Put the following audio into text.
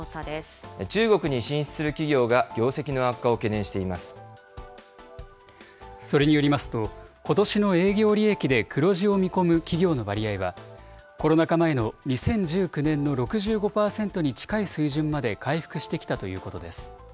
中国に進出する企業が業績のそれによりますと、ことしの営業利益で黒字を見込む企業の割合は、コロナ禍前の２０１９年の６５％に近い水準まで回復してきたということです。